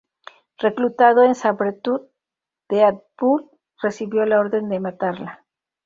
Reclutado por Sabretooth, Deadpool recibió la orden de matarla.